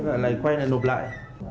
thế lại quay lại nộp lại